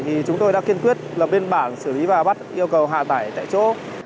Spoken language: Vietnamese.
thì chúng tôi đã kiên quyết lập biên bản xử lý và bắt yêu cầu hạ tải tại chỗ